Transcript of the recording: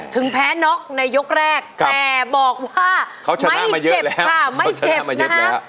ถึงแพ้น็อคในยกแรกแต่บอกว่าไม่เจ็บค่ะ